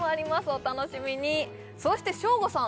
お楽しみにそしてショーゴさん